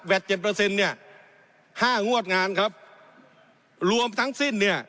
เจ็ดเปอร์เซ็นต์เนี่ยห้างวดงานครับรวมทั้งสิ้นเนี่ย